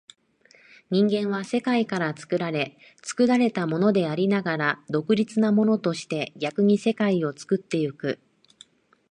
人間は世界から作られ、作られたものでありながら独立なものとして、逆に世界を作ってゆく。